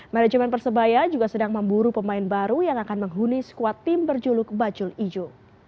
manajemen persebaya juga sedang memburu pemain baru yang akan menghuni skuad tim berjuluk bajul ijo